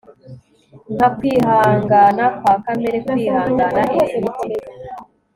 nka kwihangana kwa kamere kwihangana eremite